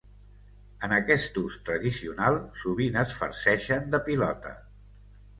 En aquest ús tradicional, sovint es farceixen de pilota.